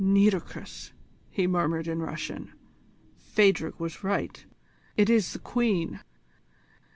"Nitocris!" he murmured in Russian. "Phadrig was right: it is the Queen!"